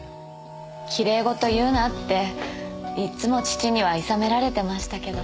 奇麗事を言うなっていつも父には諌められてましたけど。